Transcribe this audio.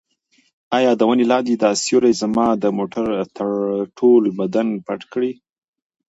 ایا د ونې لاندې دا سیوری به زما د موټر ټول بدن پټ کړي؟